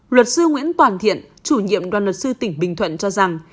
luật sư nguyễn toàn thiện chủ nhiệm đoàn luật sư tỉnh bình thuận cho rằng